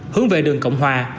hướng về đường cộng hòa